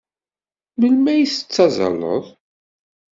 Melmi ay tettazzaleḍ?